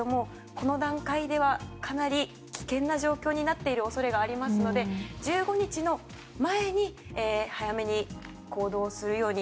この段階ではかなり危険な状況になっている恐れがありますので１５日の前に早めに行動するように。